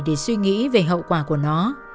để suy nghĩ về hậu quả của nó